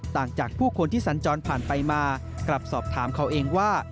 ต่างจากผู้คนที่สัญจรผ่านไปมากลับสอบถามเขาเองว่า